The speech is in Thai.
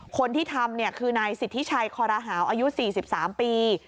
คนที่ทำคือนายสิทธิชัยคอรหาวอายุ๔๓ปี